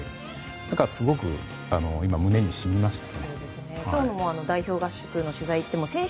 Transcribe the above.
だから、すごく胸にしみました。